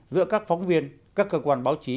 giữa các phóng viên các cơ quan báo chí